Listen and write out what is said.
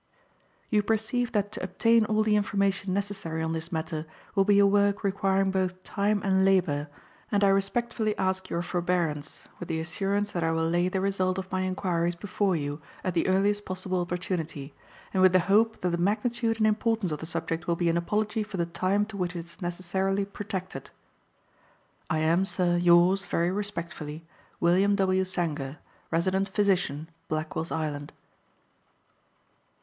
"You perceive that to obtain all the information necessary on this matter will be a work requiring both time and labor, and I respectfully ask your forbearance, with the assurance that I will lay the result of my inquiries before you at the earliest possible opportunity, and with the hope that the magnitude and importance of the subject will be an apology for the time to which it is necessarily protracted. "I am, sir, yours, very respectfully, "WILLIAM W. SANGER, Resident Physician, Blackwell's Island."